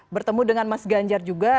bertemu dengan mas ganjar juga